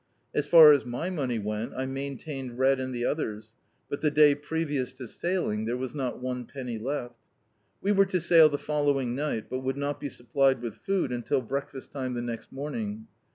As far as my money went I maintained Red and the others, but the day previous to sailing there was not one peimy left We were to sail the following ni^t, but would not be supplied with food until breakfast time the next moming.